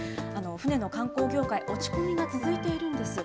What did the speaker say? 船の観光業界、落ち込みが続いているんです。